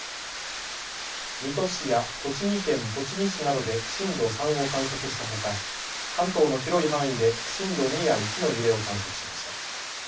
水戸市や栃木県栃木市などで震度３を観測したほか関東の広い範囲で震度２や１の揺れを観測しました。